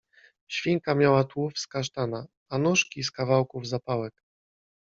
Świnka miała tułów z kasztana, a nóżki z kawałków zapałek.